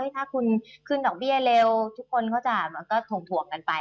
ถ้าคุณขึ้นดอกเบี้ยเร็วทุกคนก็จะถ่วงกันไป